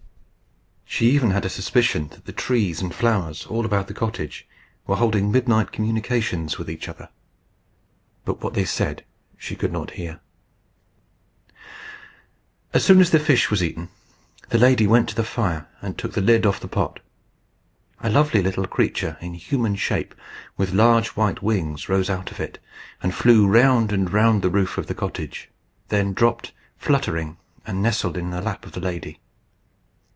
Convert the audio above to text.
She had even a suspicion that the trees and flowers all about the cottage were holding midnight communications with each other; but what they said she could not hear. As soon as the fish was eaten, the lady went to the fire and took the lid off the pot. A lovely little creature in human shape, with large white wings, rose out of it, and flew round and round the roof of the cottage; then dropped, fluttering, and nestled in the lap of the lady.